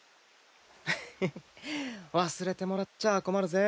ヘヘ忘れてもらっちゃ困るぜ。